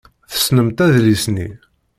Tessnemt adlis-nni.